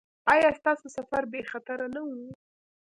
ایا ستاسو سفر بې خطره نه و؟